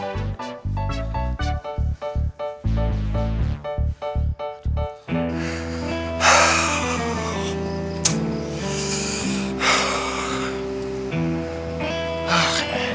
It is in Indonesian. bisa gak kerja